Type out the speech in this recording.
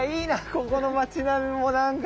ここの町並みもなんか。